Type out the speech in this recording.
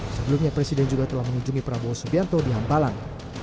sebelumnya presiden juga telah mengunjungi prabowo subianto di hambalang